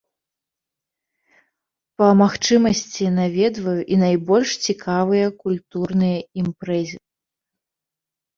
Па магчымасці наведваю і найбольш цікавыя культурныя імпрэзы.